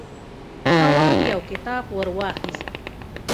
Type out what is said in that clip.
تواب يو کتاب ور واخيست.